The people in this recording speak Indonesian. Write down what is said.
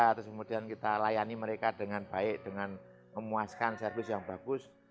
terus kemudian kita layani mereka dengan baik dengan memuaskan servis yang bagus